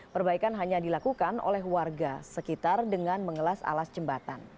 perbaikan hanya dilakukan oleh warga sekitar dengan mengelas alas jembatan